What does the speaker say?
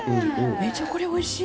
めちゃこれおいしい。